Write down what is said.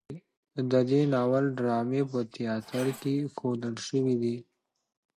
د دې ناول ډرامې په تیاتر کې ښودل شوي دي.